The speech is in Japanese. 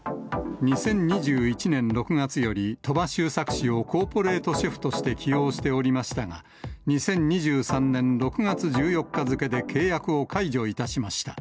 ２０２１年６月より、鳥羽周作氏をコーポレートシェフとして起用しておりましたが、２０２３年６月１４日付で契約を解除いたしました。